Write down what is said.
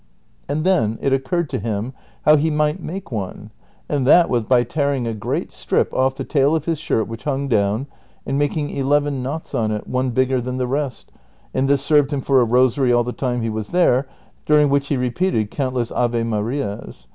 " And then it occurred to him how he might make one, and that was by tearing a great strip off the tail of his shirt which hung down, and making eleven knots on it, one bigger than the rest, and this served him for a rosary all the time he was there, during which he repeated countless ave marias.